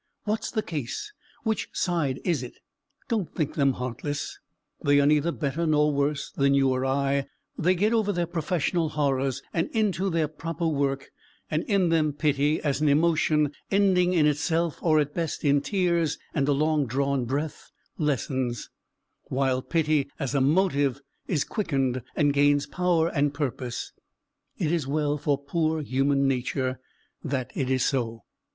"What's the case?" "Which side is it?" Don't think them heartless; they are neither better nor worse than you or I; they get over their professional horrors, and into their proper work and in them pity as an emotion, ending in itself or at best in tears and a long drawn breath, lessens, while pity as a motive, is quickened, and gains power and purpose. It is well for poor human nature that it is so.